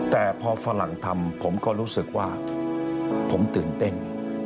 แต่พอฝรั่งทำผมก็รู้สึกว่าผมตื่นเต้น